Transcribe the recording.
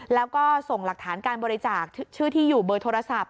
แล้วก็ส่งหลักฐานการบริจาคชื่อที่อยู่เบอร์โทรศัพท์